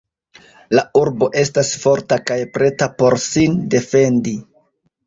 La urbo estas forta kaj preta por sin defendi.